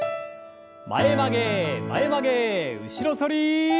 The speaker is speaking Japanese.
前曲げ前曲げ後ろ反り。